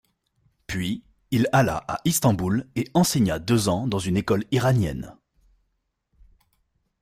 Puis, il alla à Istanbul et enseigna deux ans dans une école iranienne.